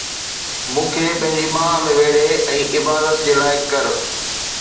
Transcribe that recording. مون کي پنهنجي ٻانهن ۾ ويڙهي ۽ عبادت جي لائق ڪر